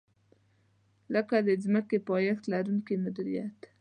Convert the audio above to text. لکه د ځمکې پایښت لرونکې مدیریت.